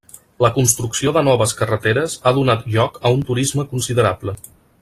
La construcció de noves carreteres ha donat lloc a un turisme considerable.